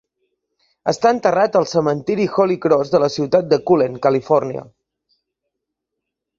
Està enterrat al cementiri Holy Cross de la ciutat de Cullen, Califòrnia.